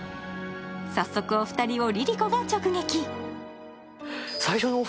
早速、お二人をＬｉＬｉＣｏが直撃。